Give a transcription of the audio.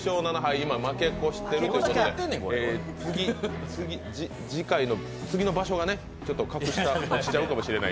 今、負け越しているということで次の場所がちょっと格下に落ちちゃうかもしれない。